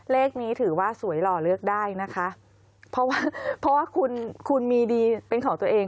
เลขนี้ถือว่าสวยหล่อเลือกได้นะคะเพราะว่าเพราะว่าคุณคุณมีดีเป็นของตัวเอง